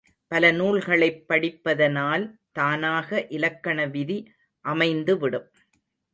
பல நூல்களைப் படிப்பதனால் தானாக இலக்கண விதி அமைந்துவிடும்.